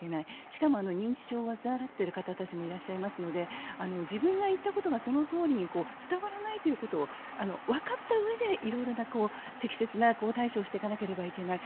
しかも認知症を患っている方たちもいらっしゃいますので自分が言ったことがそのとおりに伝わらないということをわかったうえで色々な適切な対処をしていかなければいけない。